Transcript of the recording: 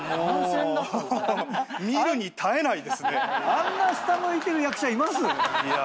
あんな下向いてる役者います